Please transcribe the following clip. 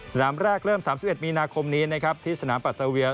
สนามแรกเริ่ม๓๑มีนาคมนี้นะครับที่สนามปัตเตอร์เวีย